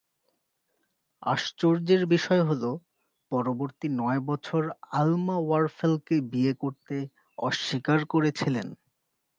আশ্চর্যের বিষয় হল, পরবর্তী নয় বছর আলমা ওয়ারফেলকে বিয়ে করতে অস্বীকার করেছিলেন।